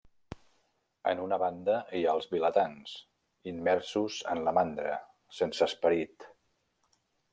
En una banda hi ha els vilatans: immersos en la mandra, sense esperit.